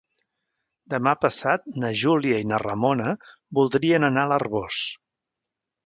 Demà passat na Júlia i na Ramona voldrien anar a l'Arboç.